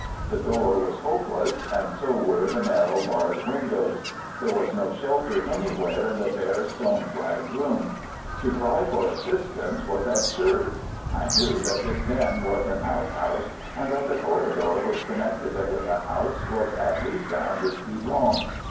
The door was hopeless, and so were the narrow, barred windows. There was no shelter anywhere in the bare, stone flagged room. To cry for assistance was absurd. I knew that this den was an outhouse, and that the corridor which connected it with the house was at least a hundred feet long.